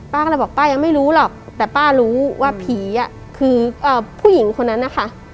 ป้าก็เลยบอกป้ายังไม่รู้หรอกแต่ป้ารู้ว่าผีคือผู้หญิงคนนั้นนะคะ